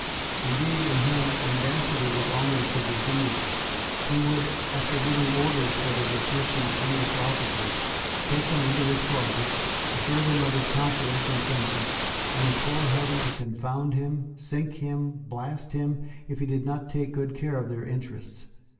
Indeed in him mendacity was almost a disease. He would, after giving orders for the dismission of English officers, take them into his closet, assure them of his confidence and friendship, and implore heaven to confound him, sink him, blast him, if he did not take good care of their interests.